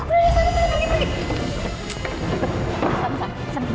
udah udah sana sana pergi